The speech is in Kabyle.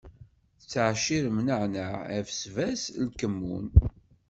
Tettɛecciṛem nneɛneɛ, abesbas, lkemmun.